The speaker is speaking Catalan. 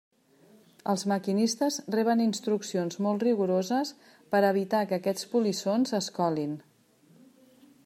Els maquinistes reben instruccions molt rigoroses per evitar que aquests polissons es colin.